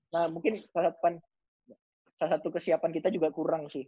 nah mungkin salah satu kesiapan kita juga kurang sih